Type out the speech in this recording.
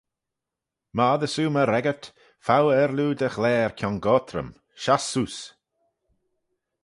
"My oddys oo my reggyrt, fow aarloo dty ghlare kiongoyrt rhym; shass seose."